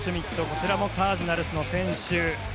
こちらもカージナルスの選手。